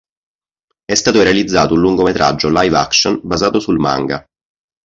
È stato realizzato un lungometraggio live action basato sul manga.